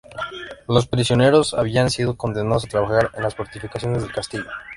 Los prisioneros habían sido condenados a trabajar en las fortificaciones del castillo.